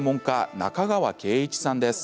中川恵一さんです。